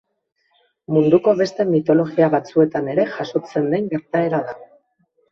Munduko beste mitologia batzuetan ere jasotzen den gertaera da.